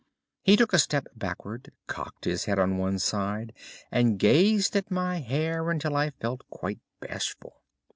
He took a step backward, cocked his head on one side, and gazed at my hair until I felt quite bashful.